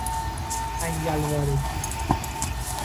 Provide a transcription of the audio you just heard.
انگل وارگی